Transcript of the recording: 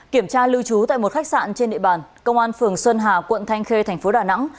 kiểm tra lưu trú tại một khách sạn trên địa bàn công an phường xuân hà quận thanh khê thành phố đà nẵng